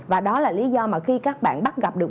và đó là lý do mà khi các bạn bắt gặp được